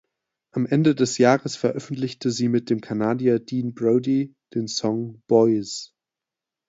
Am Ende des Jahres veröffentlichte sie mit dem Kanadier Dean Brody den Song "Boys".